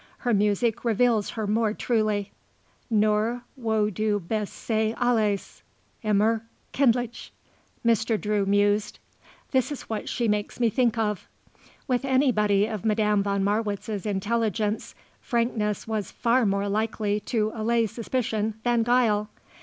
Her music reveals her more truly." "Nur wo du bist sei alles, immer kindlich," Mr. Drew mused. "That is what she makes me think of." With anybody of Madame von Marwitz's intelligence, frankness was far more likely to allay suspicion than guile.